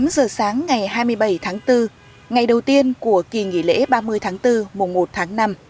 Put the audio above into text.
tám giờ sáng ngày hai mươi bảy tháng bốn ngày đầu tiên của kỳ nghỉ lễ ba mươi tháng bốn mùa một tháng năm